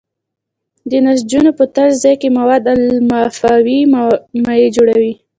د نسجونو په تش ځای کې مواد لمفاوي مایع جوړوي.